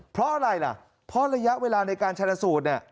เพราะอะไรล่ะเพราะระยะเวลาในการชนะสูตรเนี่ย